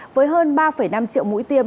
với hơn ba năm triệu mũi tiêm